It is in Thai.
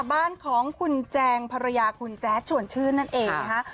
บ้านของคุณแจงภรรยาคุณแจ๊ดชวนชื่นนั่นเองนะคะ